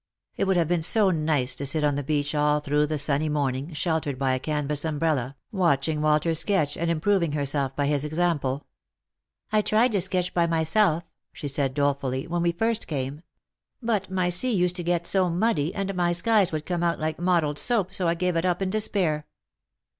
It would have been so nice to sit on the beach all through the sunny morning, sheltered by a canvas umbrella, watching Walter sketch, and improving herself by his example. " I tried to sketch by myself," she said dolefully, " when we first came. But my sea used to get so muddy, and my skies would come out like mottled soap, so I gave it up in despair."